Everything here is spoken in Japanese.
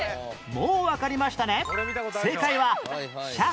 もうわかりましたね？